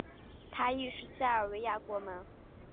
他亦是塞尔维亚国门。